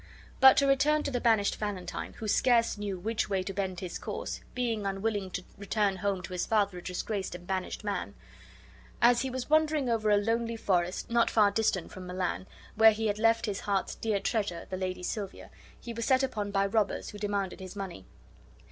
But to return to the banished Valentine, who scarce knew which way to bend his course, being unwilling to return home to his father a disgraced and banished man. As he was wandering over a lonely forest, not far distant from Milan, where he had left his heart's dear treasure, the Lady Silvia, he was set upon by robbers, who demanded his money.